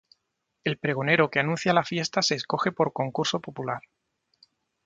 El pregonero que anuncia la fiesta se escoge por concurso popular.